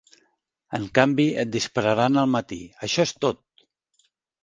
En canvi, et dispararan al matí, això és tot!